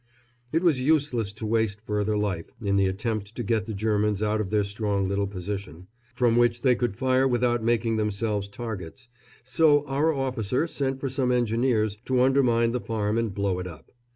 It was useless to waste further life in the attempt to get the Germans out of their strong little position, from which they could fire without making themselves targets, so our officer sent for some engineers to undermine the farm and blow it up.